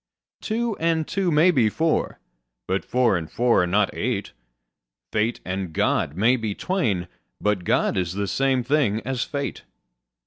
Two and two may be four: but four and four are not eight: Fate and God may be twain: but God is the same thing as fate.